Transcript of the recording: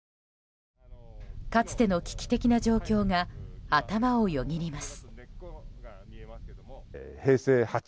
かつての危機的な状況が頭をよぎります。